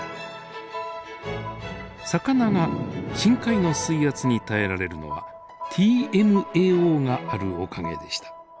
魚が深海の水圧に耐えられるのはＴＭＡＯがあるおかげでした。